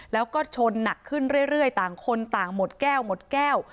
แล้วก็ชนหนักขึ้นเรื่อยต่างคนต่างหมดแก้วหมดแก้ว